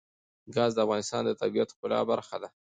ګاز د افغانستان د طبیعت د ښکلا برخه ده.